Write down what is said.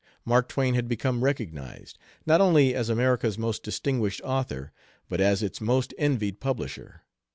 Mark Twain had become recognized, not only as America's most distinguished author, but as its most envied publisher.